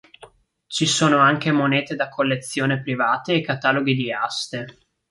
Ci sono anche monete da collezioni private e cataloghi di aste.